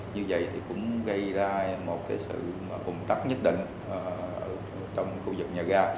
như vậy thì cũng gây ra một sự cùng tác nhất định trong khu vực nhà ga